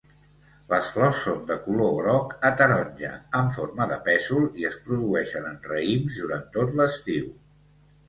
Les flors són de color groc a taronja, amb forma de pèsol i es produeixen en raïms durant tot l'estiu.